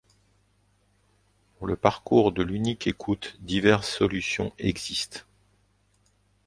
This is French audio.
Pour le parcours de l'unique écoute, diverses solutions existent.